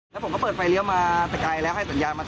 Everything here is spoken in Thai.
แล้วผมก็เปิดไฟเลี้ยวมาไปไกลแล้วให้สัญญาณมา